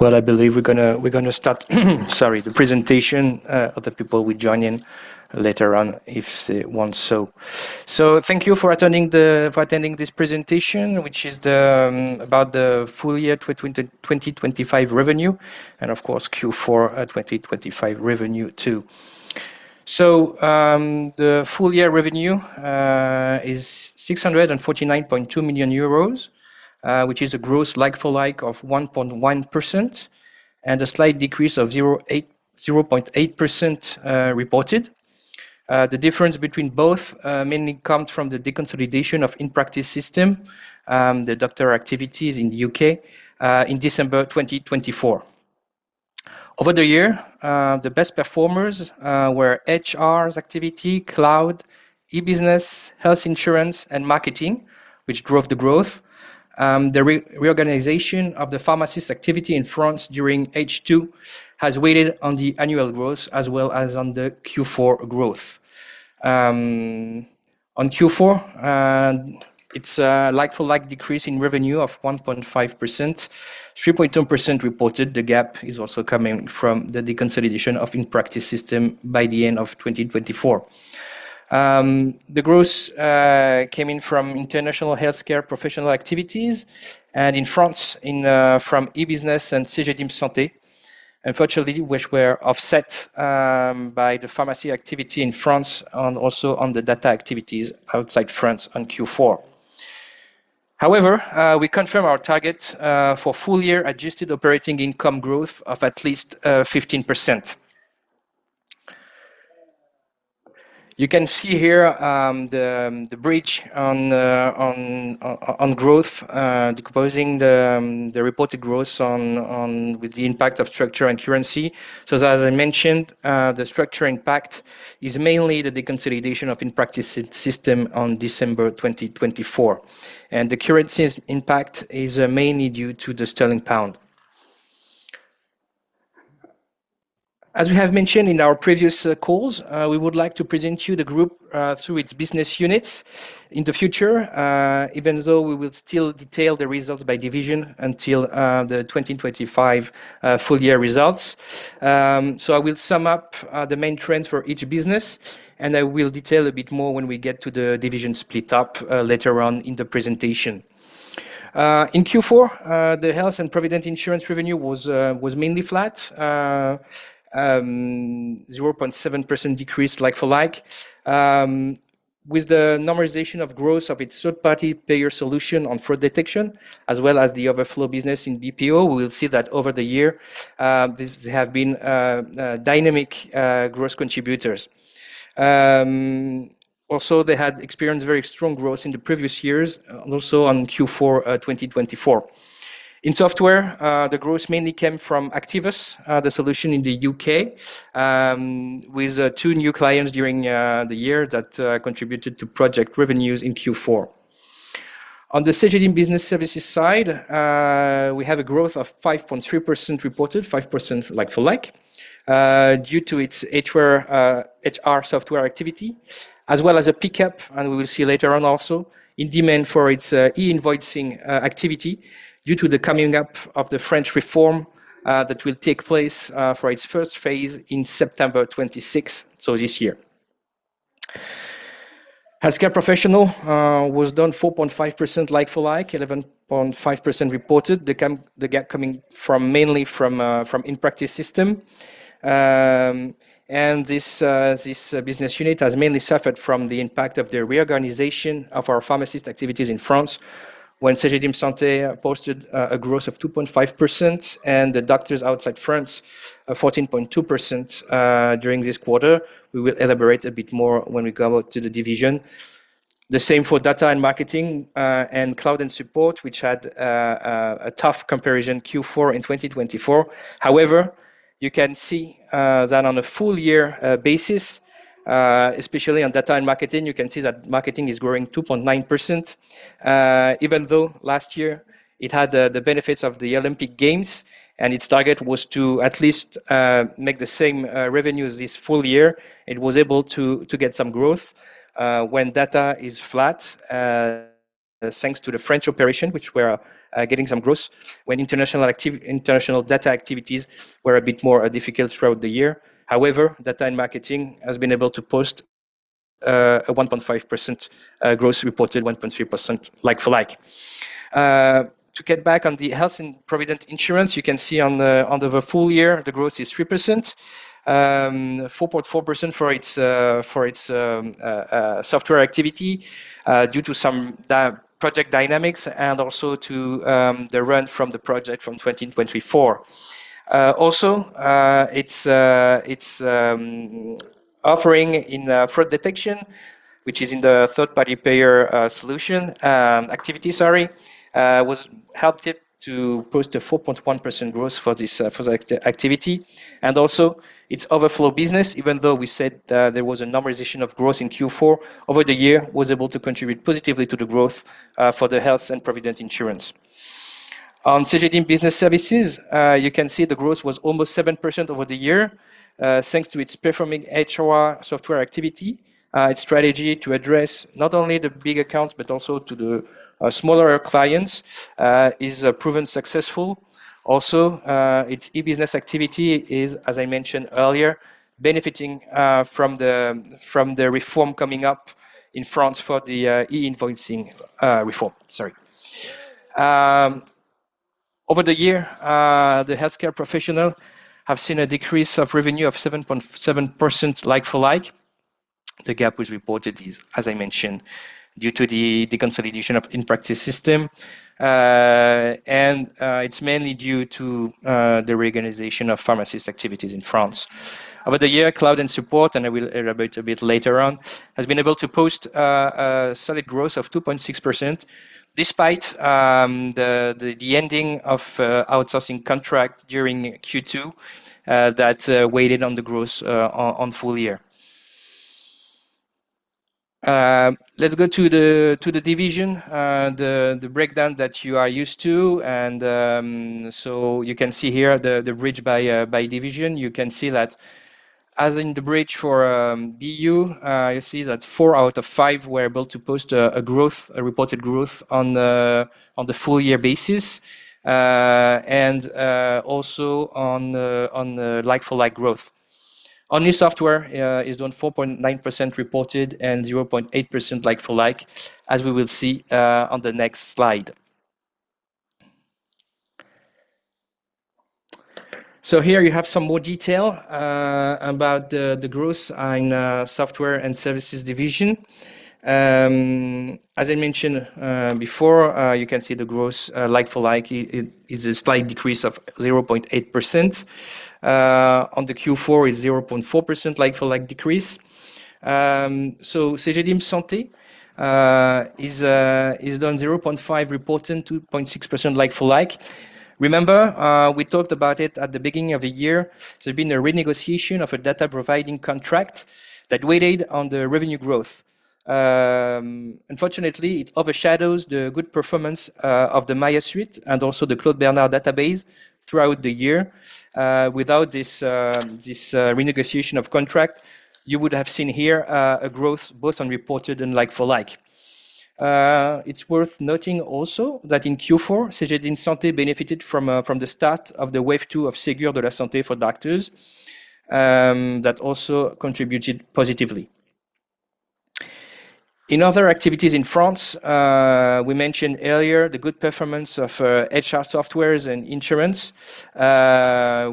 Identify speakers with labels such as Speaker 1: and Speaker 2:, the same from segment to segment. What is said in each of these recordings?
Speaker 1: Well, I believe we're gonna start the presentation, sorry. Other people will join in later on if they want so. So thank you for attending this presentation, which is about the full year 2025 revenue, and of course, Q4 2025 revenue, too. So, the full year revenue is 649.2 million euros, which is a gross like-for-like of 1.1% and a slight decrease of 0.8%, reported. The difference between both mainly comes from the deconsolidation of In Practice Systems, the doctor activities in the U.K., in December 2024. Over the year, the best performers were HRs activity, cloud, e-business, health insurance, and marketing, which drove the growth. The reorganization of the pharmacist activity in France during H2 has weighed on the annual growth as well as on the Q4 growth. On Q4, it's a like-for-like decrease in revenue of 1.5%, 3.2% reported. The gap is also coming from the deconsolidation of In Practice Systems by the end of 2024. The growth came in from international healthcare professional activities, and in France, from e-business and Cegedim Santé, unfortunately, which were offset by the pharmacy activity in France and also on the data activities outside France on Q4. However, we confirm our target for full-year adjusted operating income growth of at least 15%. You can see here the bridge on the growth, decomposing the reported growth on... with the impact of structure and currency. So as I mentioned, the structure impact is mainly the deconsolidation of In Practice Systems on December 2024, and the currency's impact is mainly due to the sterling pound. As we have mentioned in our previous calls, we would like to present you the group through its business units in the future, even though we will still detail the results by division until the 2025 full year results. So I will sum up the main trends for each business, and I will detail a bit more when we get to the division split up later on in the presentation. In Q4, the health and provident insurance revenue was mainly flat, 0.7% decrease like-for-like. With the normalization of growth of its third-party payer solution on fraud detection, as well as the overflow business in BPO, we will see that over the year, they, they have been, dynamic, growth contributors. Also, they had experienced very strong growth in the previous years, and also on Q4, 2024. In software, the growth mainly came from Activus, the solution in the U.K., with two new clients during the year that contributed to project revenues in Q4. On the CG team business services side, we have a growth of 5.3% reported, 5% like-for-like, due to its HR, HR software activity, as well as a pickup, and we will see later on also, in demand for its, e-invoicing, activity due to the coming up of the French reform, that will take place, for its first phase in September 26th, so this year. Healthcare professional was down 4.5% like-for-like, 11.5% reported. The gap coming from mainly from In Practice Systems. And this business unit has mainly suffered from the impact of the reorganization of our pharmacy activities in France, when Cegedim Santé posted a growth of 2.5% and the doctors outside France 14.2% during this quarter. We will elaborate a bit more when we go out to the division. The same for data and marketing and cloud and support, which had a tough comparison, Q4 in 2024. However, you can see that on a full year basis, especially on data and marketing, you can see that marketing is growing 2.9%. Even though last year it had the benefits of the Olympic Games, and its target was to at least make the same revenue this full year, it was able to get some growth when data is flat, thanks to the French operation, which we are getting some growth when international data activities were a bit more difficult throughout the year. However, data and marketing has been able to post a 1.5% growth, reported 1.3% like-for-like. To get back on the health and provident insurance, you can see on the full year, the growth is 3%. 4.4% for its software activity due to some project dynamics and also to the run from the project from 2024. Also, it's offering in fraud detection, which is in the third-party payer solution activity, sorry, helped it to post a 4.1% growth for this for the activity. And also, its overflow business, even though we said there was a normalization of growth in Q4, over the year, was able to contribute positively to the growth for the health and provident insurance. On Cegedim Business Services, you can see the growth was almost 7% over the year, thanks to its performing HR software activity, its strategy to address not only the big accounts, but also the smaller clients, is proven successful. Also, its e-business activity is, as I mentioned earlier, benefiting from the reform coming up in France for the e-invoicing reform. Sorry. Over the year, the healthcare professional have seen a decrease of revenue of 7% like-for-like. The gap was reported is, as I mentioned, due to the consolidation of In Practice Systems. And, it's mainly due to the reorganization of pharmacy activities in France. Over the year, cloud and support, and I will elaborate a bit later on, has been able to post a solid growth of 2.6%, despite the ending of outsourcing contract during Q2, that weighed on the growth on full year. Let's go to the division, the breakdown that you are used to, and so you can see here the bridge by division. You can see that as in the bridge for BU, you see that four out of five were able to post a growth, a reported growth on the full year basis, and also on the like-for-like growth. Only software is done 4.9% reported and 0.8% like-for-like, as we will see on the next slide. So here you have some more detail about the growth in software and services division. As I mentioned before, you can see the growth like-for-like, it is a slight decrease of 0.8%. On the Q4 is 0.4% like-for-like decrease. So Cegedim Santé is down 0.5% reported and 2.6% like-for-like. Remember, we talked about it at the beginning of the year, there's been a renegotiation of a data providing contract that weighed on the revenue growth. Unfortunately, it overshadows the good performance of the Maiia Suite and also the Claude Bernard database throughout the year. Without this renegotiation of contract, you would have seen here a growth both on reported and like-for-like. It's worth noting also that in Q4, Cegedim Santé benefited from the start of the wave 2 of Ségur de la Santé for doctors, that also contributed positively. In other activities in France, we mentioned earlier the good performance of HR softwares and insurance,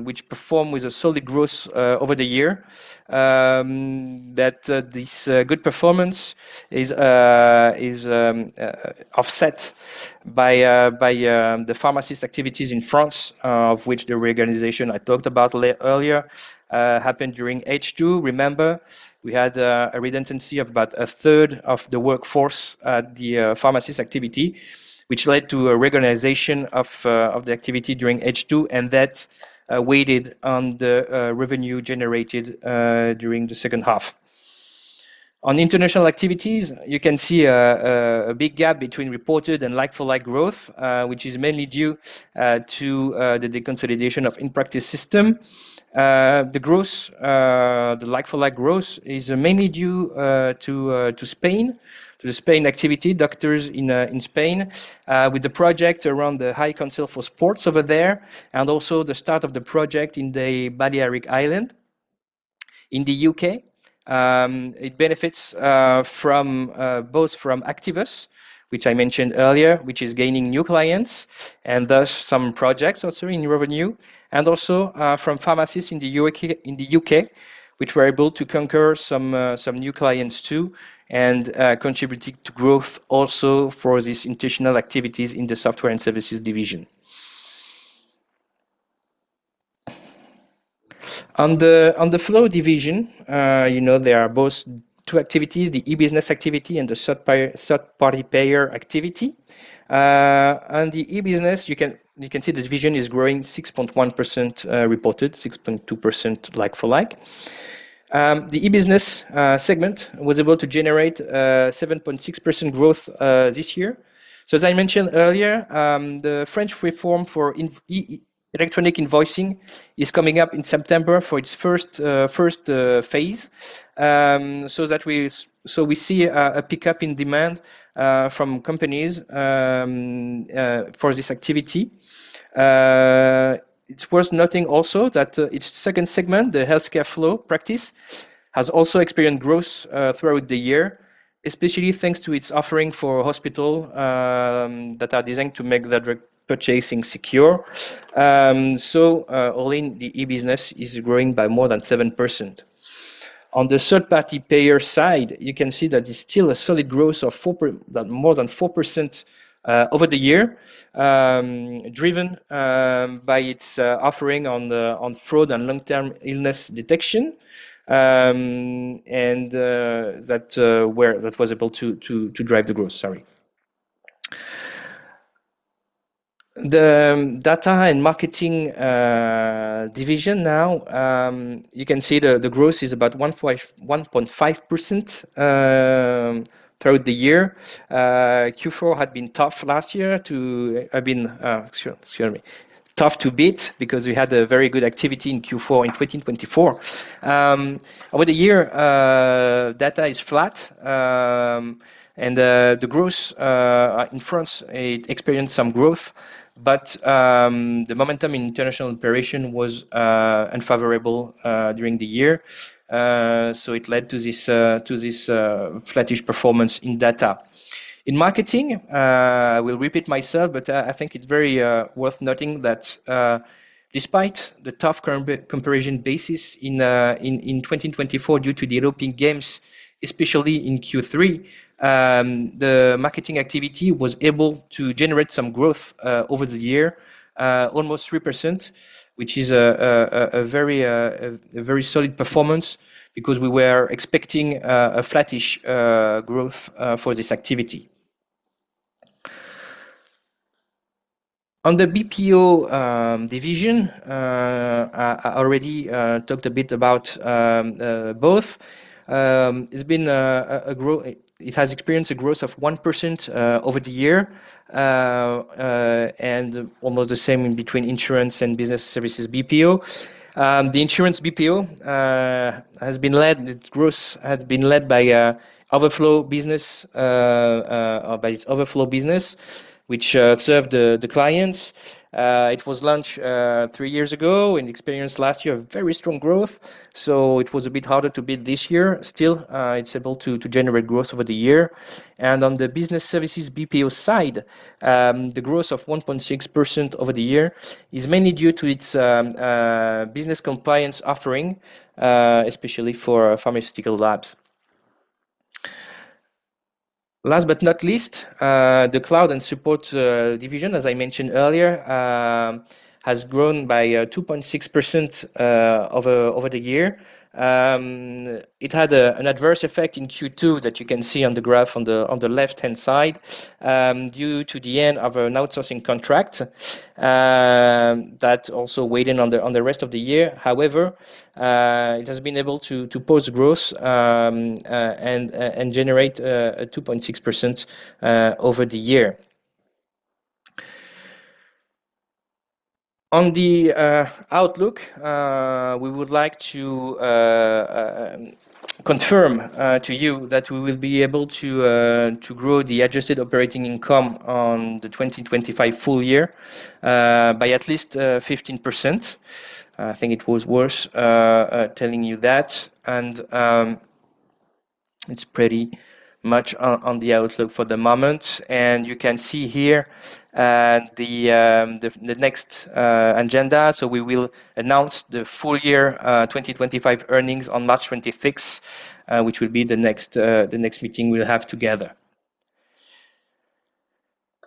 Speaker 1: which performed with a solid growth over the year. That this good performance is offset by the pharmacy activities in France, of which the reorganization I talked about earlier happened during H2. Remember, we had a redundancy of about a third of the workforce at the pharmacy activity, which led to a reorganization of the activity during H2, and that weighed on the revenue generated during the second half. On international activities, you can see a big gap between reported and like-for-like growth, which is mainly due to the deconsolidation of In Practice Systems. The growth, the like-for-like growth is mainly due to Spain, to the Spain activity, doctors in Spain, with the project around the High Council for Sports over there, and also the start of the project in the Balearic Islands. In the U.K., it benefits from both Activus, which I mentioned earlier, which is gaining new clients, and thus some projects also in revenue, and also from pharmacies in the U.K., which were able to conquer some new clients too, and contributing to growth also for these international activities in the software and services division. On the Flow division, you know, there are both two activities, the e-business activity and the third-party payer activity. On the e-business, you can see the division is growing 6.1%, reported, 6.2% like-for-like. The e-business segment was able to generate 7.6% growth this year. So as I mentioned earlier, the French reform for electronic invoicing is coming up in September for its first phase. So we see a pickup in demand from companies for this activity. It's worth noting also that its second segment, the healthcare flow practice, has also experienced growth throughout the year, especially thanks to its offering for hospitals that are designed to make the drug purchasing secure. So, all in, the e-business is growing by more than 7%. On the third-party payer side, you can see that there's still a solid growth of more than 4% over the year, driven by its offering on the, on fraud and long-term illness detection, and that was able to drive the growth. Sorry. The data and marketing division now, you can see the growth is about 1.5% throughout the year. Q4 had been tough last year to beat because we had a very good activity in Q4 in 2024. Over the year, data is flat, and the growth in France, it experienced some growth, but the momentum in international operation was unfavorable during the year. So it led to this flattish performance in data. In marketing, I will repeat myself, but I think it's very worth noting that despite the tough comparison basis in 2024 due to the European Games, especially in Q3, the marketing activity was able to generate some growth over the year almost 3%, which is a very solid performance because we were expecting a flattish growth for this activity. On the BPO division, I already talked a bit about both. It has experienced a growth of 1% over the year and almost the same in between insurance and business services BPO. The insurance BPO, its growth has been led by overflow business or by its overflow business, which served the clients. It was launched three years ago and experienced last year a very strong growth, so it was a bit harder to beat this year. Still, it's able to generate growth over the year. On the business services BPO side, the growth of 1.6% over the year is mainly due to its business compliance offering, especially for pharmaceutical labs. Last but not least, the cloud and support division, as I mentioned earlier, has grown by 2.6% over the year. It had an adverse effect in Q2 that you can see on the graph on the left-hand side, due to the end of an outsourcing contract, that also weighed in on the rest of the year. However, it has been able to post growth, and generate a 2.6% over the year. On the outlook, we would like to confirm to you that we will be able to grow the Adjusted Operating Income on the 2025 full year, by at least 15%. I think it was worth telling you that, and it's pretty much on the outlook for the moment. You can see here the next agenda. So we will announce the full year 2025 earnings on March 26th, which will be the next meeting we'll have together.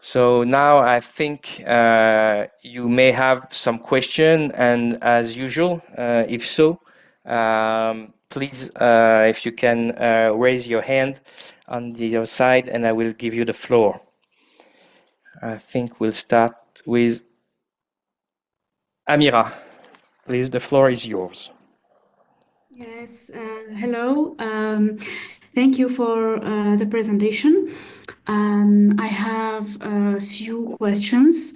Speaker 1: So now I think you may have some question and as usual, if so, please, if you can, raise your hand on your side, and I will give you the floor. I think we'll start with Amira. Please, the floor is yours.
Speaker 2: Yes. Hello. Thank you for the presentation. I have a few questions.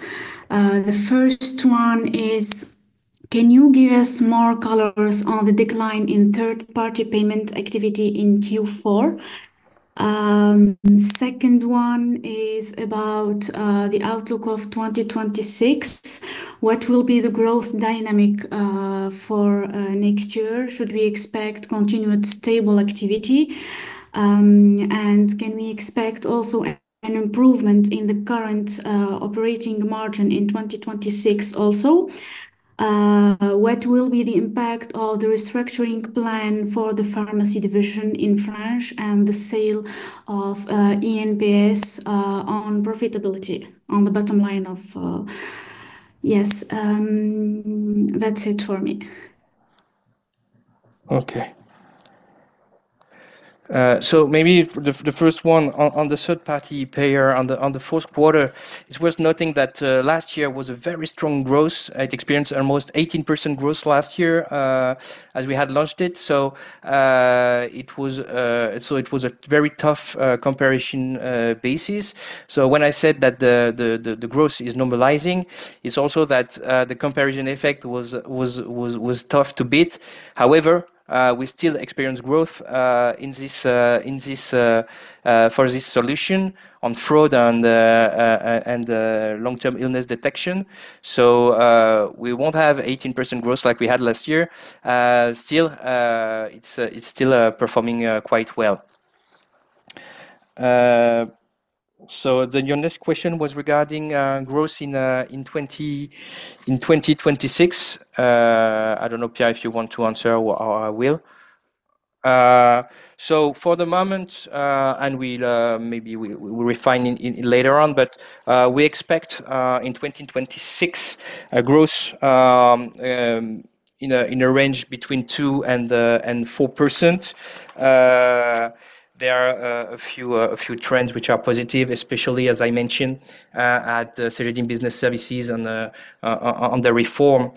Speaker 2: The first one is, can you give us more colors on the decline in third-party payer activity in Q4? Second one is about the outlook of 2026. What will be the growth dynamic for next year? Should we expect continued stable activity? And can we expect also an improvement in the current operating margin in 2026 also? What will be the impact of the restructuring plan for the pharmacy division in France and the sale of INPS on profitability, on the bottom line of... Yes, that's it for me.
Speaker 1: Okay. So maybe for the first one on the third-party payer on the fourth quarter, it's worth noting that last year was a very strong growth. It experienced almost 18% growth last year, as we had launched it. So it was a very tough comparison basis. So when I said that the growth is normalizing, it's also that the comparison effect was tough to beat. However, we still experience growth in this for this solution on fraud and long-term illness detection. So we won't have 18% growth like we had last year. Still, it's still performing quite well. So then your next question was regarding growth in 2026. I don't know, Pierre, if you want to answer or I will. So for the moment, and we'll maybe we'll refine it later on, but we expect in 2026 a growth in a range between 2% and 4%. There are a few trends which are positive, especially as I mentioned at the Cegedim Business Services on the reform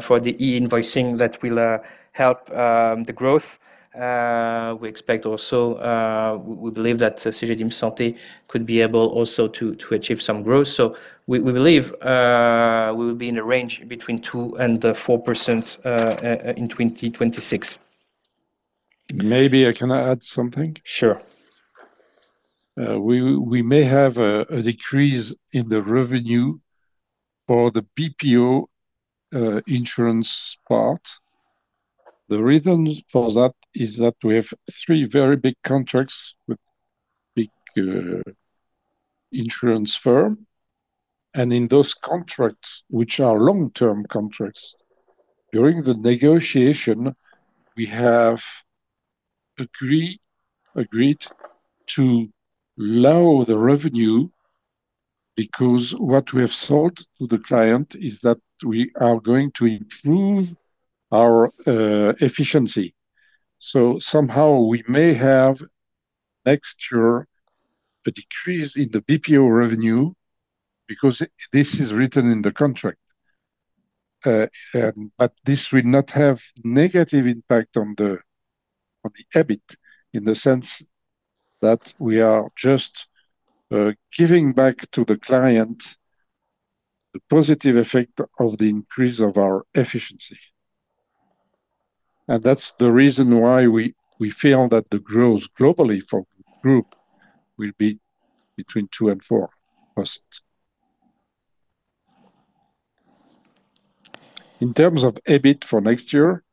Speaker 1: for the e-invoicing that will help the growth. We expect also we believe that Cegedim Santé could be able also to achieve some growth. So we believe we will be in a range between 2% and 4% in 2026. ...
Speaker 3: maybe I can add something?
Speaker 1: Sure.
Speaker 3: We may have a decrease in the revenue for the BPO insurance part. The reason for that is that we have three very big contracts with big insurance firm, and in those contracts, which are long-term contracts, during the negotiation, we have agreed to lower the revenue, because what we have sold to the client is that we are going to improve our efficiency. So somehow we may have next year a decrease in the BPO revenue, because this is written in the contract. And but this will not have negative impact on the EBIT, in the sense that we are just giving back to the client the positive effect of the increase of our efficiency. And that's the reason why we feel that the growth globally for group will be between 2% and 4%. In terms of EBIT for next year,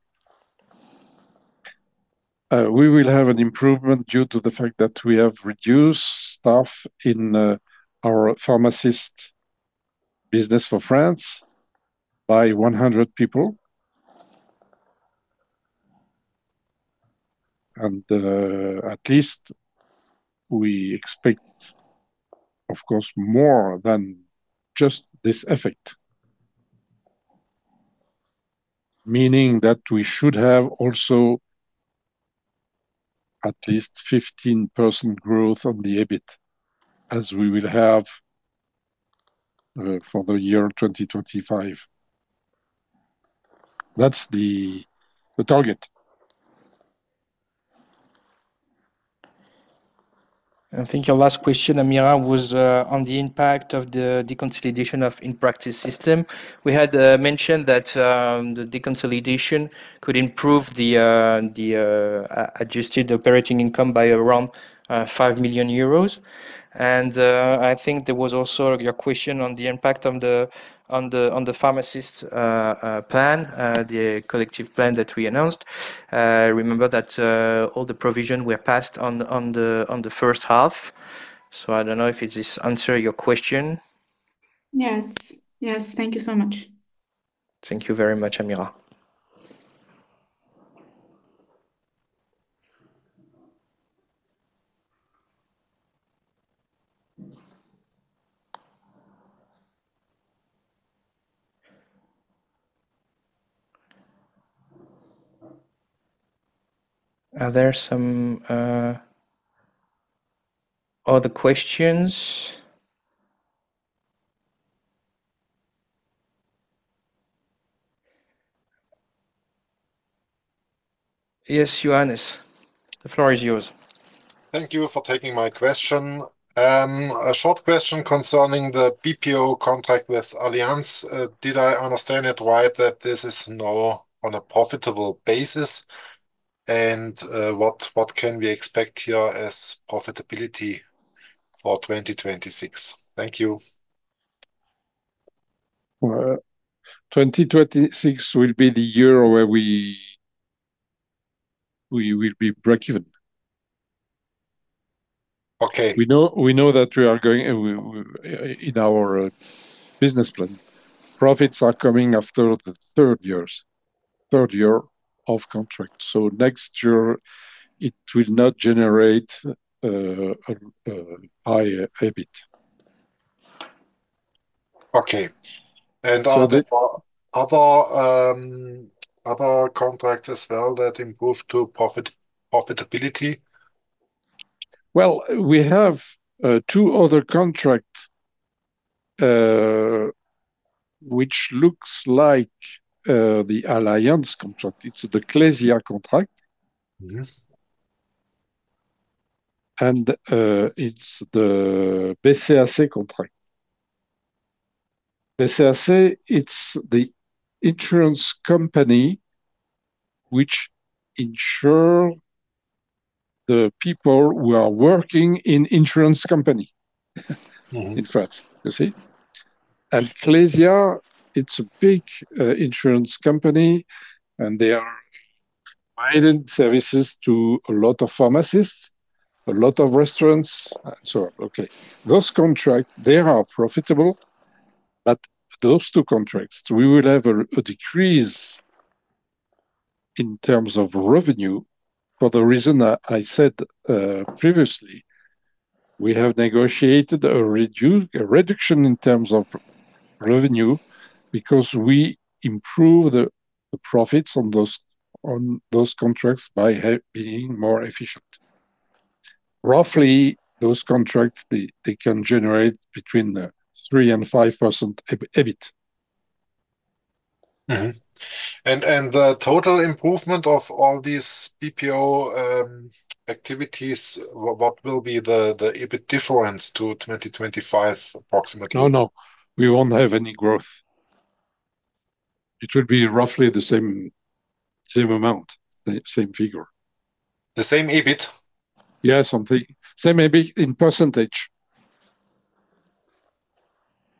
Speaker 3: we will have an improvement due to the fact that we have reduced staff in our pharmacy business for France by 100 people. At least we expect, of course, more than just this effect, meaning that we should have also at least 15% growth on the EBIT, as we will have for the year 2025. That's the target.
Speaker 1: I think your last question, Amira, was on the impact of the deconsolidation of In Practice Systems. We had mentioned that the deconsolidation could improve the Adjusted Operating Income by around 5 million euros. I think there was also your question on the pharmacist plan, the collective plan that we announced. Remember that all the provision were passed on the first half. So I don't know if this answer your question. Yes. Yes. Thank you so much. Thank you very much, Amira. Are there some other questions? Yes, Johannes, the floor is yours.
Speaker 4: Thank you for taking my question. A short question concerning the BPO contract with Allianz. Did I understand it right that this is now on a profitable basis? And, what can we expect here as profitability for 2026? Thank you.
Speaker 3: Well, 2026 will be the year where we will be breakeven.
Speaker 4: Okay.
Speaker 3: We know, we know that we are going... And we, in our business plan, profits are coming after the third years, third year of contract. So next year it will not generate a high EBIT.
Speaker 4: Okay.
Speaker 3: So the-
Speaker 4: Are there other contracts as well that improve to profitability?
Speaker 3: Well, we have two other contract, which looks like the Allianz contract. It's the Klesia contract.
Speaker 4: Yes.
Speaker 3: It's the BCAC contract. BCAC, it's the insurance company which insure the people who are working in insurance company.
Speaker 4: Mm-hmm.
Speaker 3: In France, you see? And Klesia, it's a big insurance company, and they are providing services to a lot of pharmacists, a lot of restaurants. So, okay, those contracts, they are profitable, but those two contracts, we will have a decrease in terms of revenue for the reason I said previously. We have negotiated a reduction in terms of revenue because we improve the profits on those contracts by being more efficient. Roughly, those contracts, they can generate between 3% and 5% EBIT.
Speaker 4: Mm-hmm. And the total improvement of all these BPO activities, what will be the EBIT difference to 2025, approximately?
Speaker 3: No, no, we won't have any growth... it will be roughly the same, same amount, the same figure.
Speaker 4: The same EBIT?
Speaker 3: Yeah, something. Same EBIT in percentage.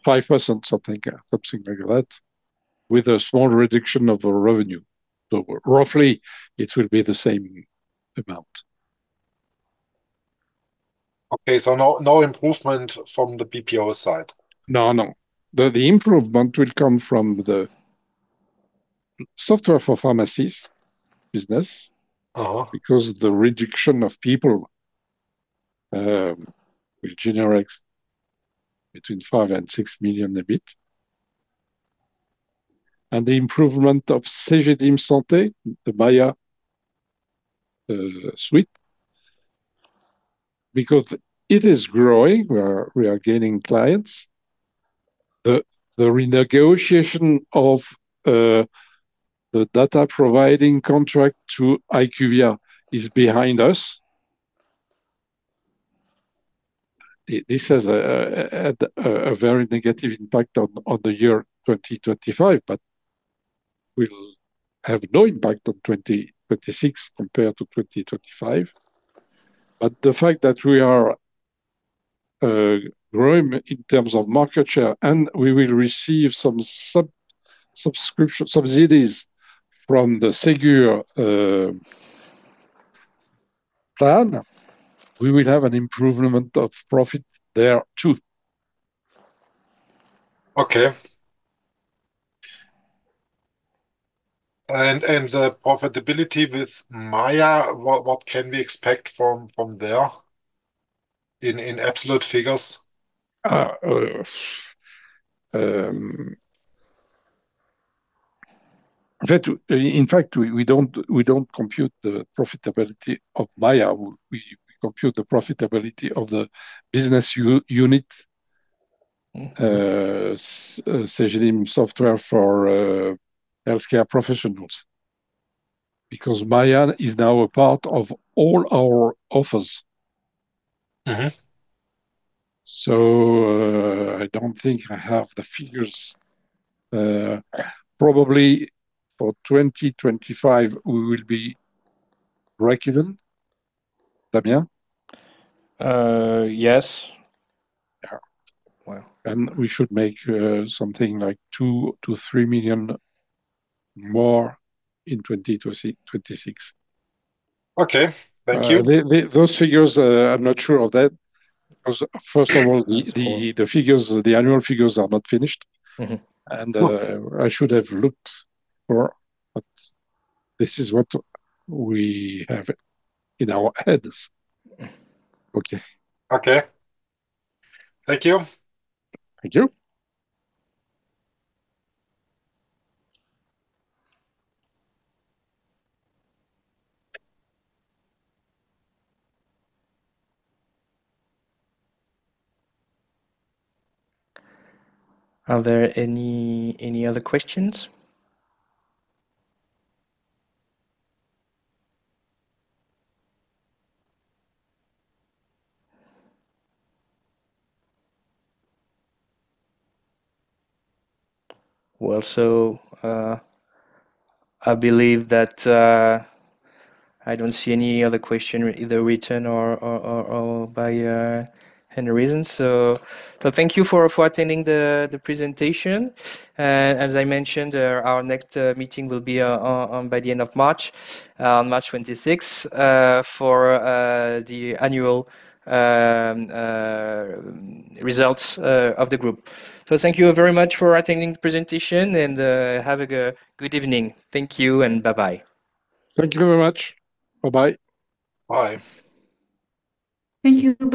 Speaker 3: 5%, something, something like that, with a small reduction of the revenue. So roughly it will be the same amount.
Speaker 4: Okay, so no, no improvement from the BPO side?
Speaker 3: No, no. The improvement will come from the software for pharmacies business-
Speaker 4: Uh-huh.
Speaker 3: because the reduction of people will generate between 5 million and 6 million EBIT. And the improvement of Cegedim Santé, the Maiia Suite, because it is growing. We are gaining clients. The renegotiation of the data providing contract to IQVIA is behind us. This has had a very negative impact on the year 2025, but will have no impact on 2026 compared to 2025. But the fact that we are growing in terms of market share, and we will receive some subsidies from the Ségur plan, we will have an improvement of profit there, too.
Speaker 4: Okay. And the profitability with Maiia, what can we expect from there in absolute figures?
Speaker 3: In fact, we don't compute the profitability of Maiia. We compute the profitability of the business unit-
Speaker 4: Mm-hmm...
Speaker 3: Cegedim software for healthcare professionals. Because Maiia is now a part of all our offers.
Speaker 4: Mm-hmm.
Speaker 3: So, I don't think I have the figures. Probably for 2025, we will be breakeven. Damien? Yes. Yeah. Well, and we should make something like 2 million-3 million more in 2026.
Speaker 4: Okay. Thank you.
Speaker 3: Those figures, I'm not sure of that, because first of all, the figures, the annual figures are not finished.
Speaker 4: Mm-hmm.
Speaker 3: And, I should have looked for, but this is what we have in our heads. Okay.
Speaker 4: Okay. Thank you.
Speaker 3: Thank you.
Speaker 1: Are there any other questions? Well, so I believe that I don't see any other question, either written or by hand-raising. So thank you for attending the presentation. And as I mentioned, our next meeting will be on by the end of March, on March twenty-sixth, for the annual results of the group. So thank you very much for attending the presentation, and have a good evening. Thank you, and bye-bye.
Speaker 3: Thank you very much. Bye-bye.
Speaker 4: Bye.
Speaker 3: Thank you. Bye.